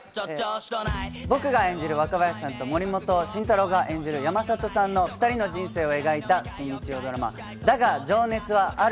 僕が演じる若林さんと森本慎太郎が演じる山里さんの２人の人生を描いた、新日曜ドラマ『だが、情熱はある』。